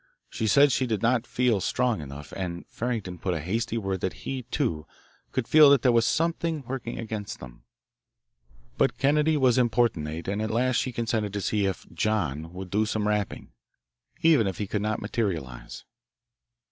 She said she did not feel strong enough, and Farrington put in a hasty word that he, too, could feel that "there was something working against them." But Kennedy was importunate and at last she consented to see if "John" would do some rapping, even if he could not materialise.